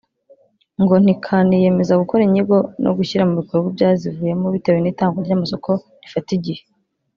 ngo ntikaniyemeza gukora inyigo no gushyira mu bikorwa ibyazivuyemo bitewe n’itangwa ry’amasoko rifata igihe